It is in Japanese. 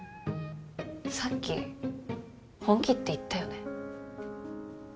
さっき本気って言ったよね？